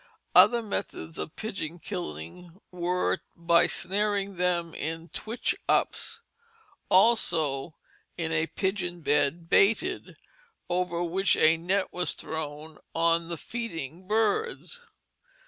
Other methods of pigeon killing were by snaring them in "twitch ups"; also in a pigeon bed, baited, over which a net was thrown on the feeding birds.